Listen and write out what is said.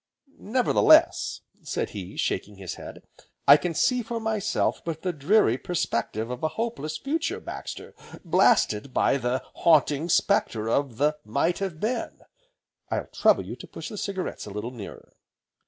"Nevertheless," said he, shaking his head, "I can see for myself but the dreary perspective of a hopeless future, Baxter, blasted by the Haunting Spectre of the Might Have Been; I'll trouble you to push the cigarettes a little nearer."